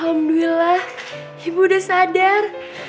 alhamdulillah ibu udah sadar